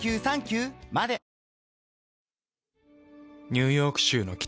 ニューヨーク州の北。